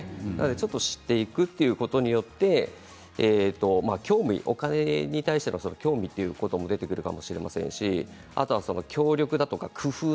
ちょっと知っていくということによってお金に対しての興味ということも出てくるかもしれませんしあとは協力や工夫